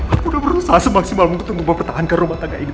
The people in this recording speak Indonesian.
aku udah berusaha semaksimal mungkin untuk mempertahankan rumah tangga ini